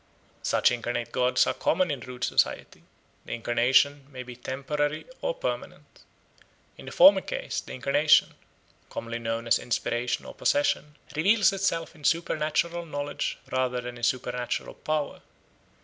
Such incarnate gods are common in rude society. The incarnation may be temporary or permanent. In the former case, the incarnation commonly known as inspiration or possession reveals itself in supernatural knowledge rather than in supernatural power.